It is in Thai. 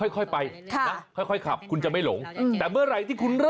ค่อยไปค่ะนะค่อยขับคุณจะไม่หลงแต่เมื่อไหร่ที่คุณเริ่ม